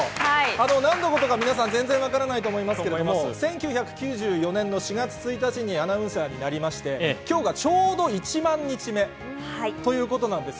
何のことか分からないと思いますけれど、１９９４年の４月１日にアナウンサーになりまして、今日がちょうど１万日目ということです。